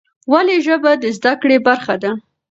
ولې ژبه د زده کړې برخه ده؟